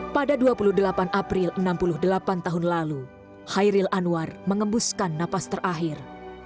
pada dua puluh delapan april enam puluh delapan tahun lalu hairil anwar mengembuskan napas terakhir